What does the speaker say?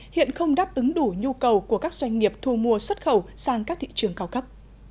hiện không đáp ứng đủ nhu cầu của các doanh nghiệp thu mua xuất khẩu sang các thị trường cao cấp